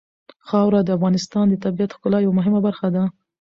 خاوره د افغانستان د طبیعت د ښکلا یوه مهمه برخه ده.